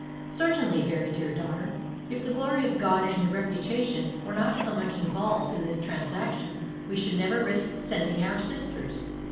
Certainly, very dear daughter, if the glory of God and your reputation were not so much involved in this transaction we should never risk sending our sisters.